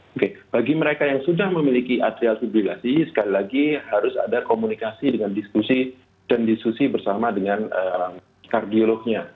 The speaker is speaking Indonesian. oke bagi mereka yang sudah memiliki atrial publikasi sekali lagi harus ada komunikasi dengan diskusi dan diskusi bersama dengan kardiolognya